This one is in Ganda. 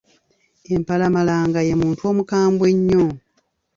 Empalamalanga ye muntu omukambwe ennyo.